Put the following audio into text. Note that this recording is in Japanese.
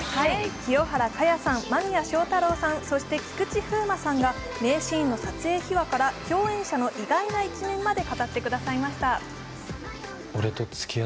清原果耶さん、間宮祥太朗さんそして菊池風磨さんが名シーンの撮影秘話から共演者の意外な一面まで語ってくださいました。